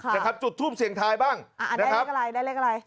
นะครับจุดทูปเสียงทายบ้างอ่าได้เลขอะไรได้เลขอะไร